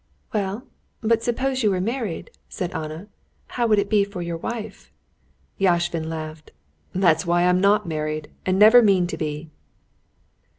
"Well, but suppose you were married," said Anna, "how would it be for your wife?" Yashvin laughed. "That's why I'm not married, and never mean to be."